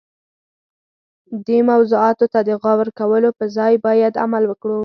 دې موضوعاتو ته د غور کولو پر ځای باید عمل وکړو.